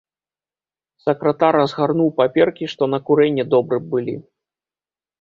Сакратар разгарнуў паперкі, што на курэнне добры б былі.